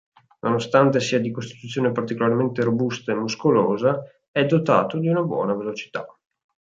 Nonostante sia di costituzione particolarmente robusta e muscolosa è dotato di una buona velocità.